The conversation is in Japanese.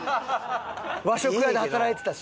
和食屋で働いてたし。